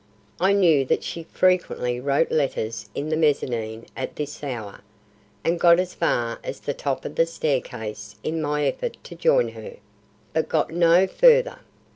I knew that she frequently wrote letters in the mezzanine at this hour, and got as far as the top of the staircase in my effort to join her. But got no further.